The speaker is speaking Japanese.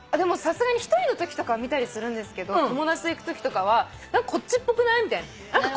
さすがに１人のときとかは見たりするんですけど友達と行くときとかはこっちっぽくない？みたいな。